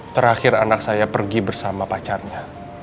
terakhir anak saya pergi bersama pacarnya